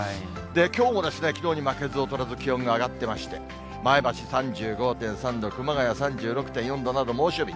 きょうもですね、きのうに負けず劣らず気温が上がってまして、前橋３５．３度、熊谷３６．４度など猛暑日。